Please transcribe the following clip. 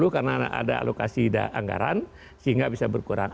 dua ribu dua puluh karena ada alokasi anggaran sehingga bisa berkurang